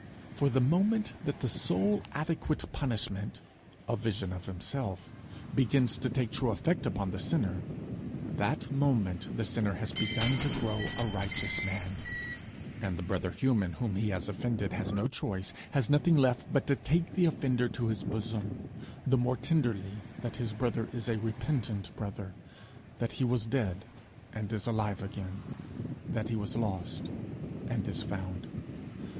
For the moment that the sole adequate punishment, a vision of himself, begins to take true effect upon the sinner, that moment the sinner has begun to grow a righteous man, and the brother human whom he has offended has no choice, has nothing left him but to take the offender to his bosom the more tenderly that his brother is a repentant brother, that he was dead and is alive again, that he was lost and is found.